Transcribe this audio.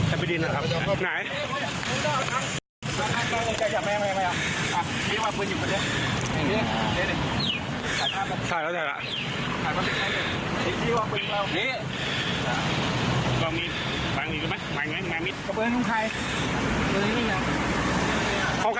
อาวุธก็พร้อมนะคะ